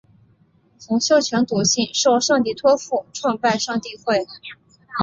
洪秀全笃信受上帝托负创拜上帝会。